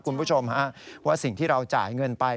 คุณผู้ชมว่าสิ่งที่เราจ่ายเงินไป